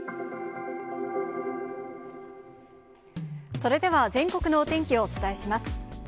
それでは全国のお天気をお伝えします。